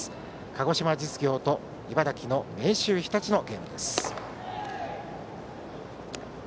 鹿児島実業と茨城の明秀日立です。